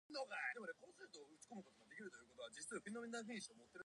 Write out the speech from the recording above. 故郷を懐かしく思う情。